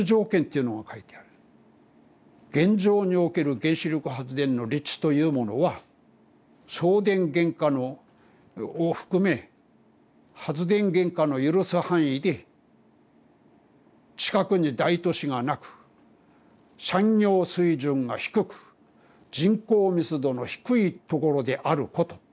現状における原子力発電の立地というものは送電原価を含め発電原価の許す範囲で近くに大都市がなく産業水準が低く人口密度の低いところであること。